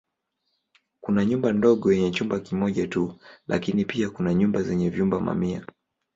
Kuna nyumba ndogo yenye chumba kimoja tu lakini kuna pia nyumba zenye vyumba mamia.